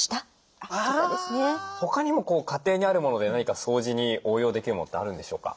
他にも家庭にあるもので何か掃除に応用できるものってあるんでしょうか？